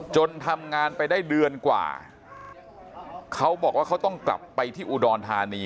ทำงานไปได้เดือนกว่าเขาบอกว่าเขาต้องกลับไปที่อุดรธานี